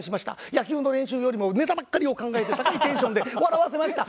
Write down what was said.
野球の練習よりもネタばっかりを考えて高いテンションで笑わせました。